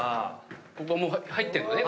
ここはもう入ってるのね。